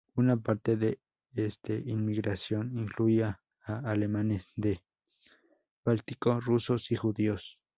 Una parte de este inmigración incluía a alemanes del Báltico, rusos y judíos.